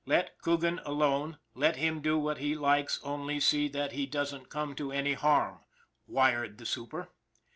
" Let Coogan alone. Let him do what he likes, only see that he doesn't come to any harm," wired the super.